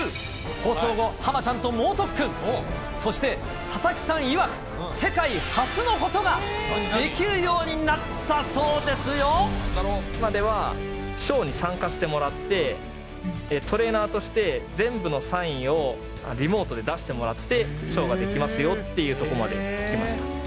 放送後、ハマちゃんと猛特訓、そして佐々木さんいわく、世界初のことがで今までは、ショーに参加してもらって、トレーナーとして全部のサインをリモートで出してもらって、ショーができますよっていうところまできました。